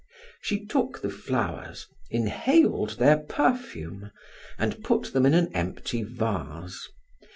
She took the flowers, inhaled their perfume, and put them in an empty vase.